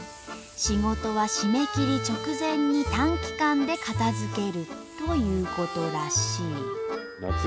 仕事は締め切り直前に短期間で片づけるということらしい。